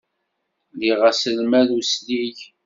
Liɣ aselmad uslig.